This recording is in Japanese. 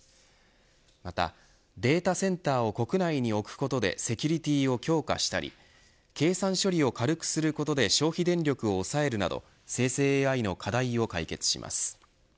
また、データセンターを国内に置くことでセキュリティーを強化したり計算処理を軽くすることで消費電力を抑えるなど生成ＡＩの課題を解決します。